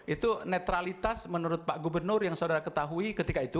itu netralitas menurut pak gubernur yang saudara ketahui ketika itu